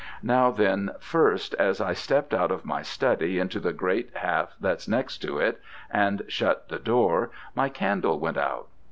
Now then, first, as I stepped out of my study into the great half that's next to it, and shut the door, my candle went out.